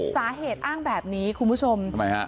สาเหตุอ้างแบบนี้คุณผู้ชม